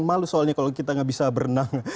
malu soalnya kalau kita nggak bisa berenang